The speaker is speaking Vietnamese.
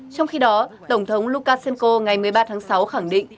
trong khi đó tổng thống lukashenko ngày một mươi ba tháng sáu khẳng định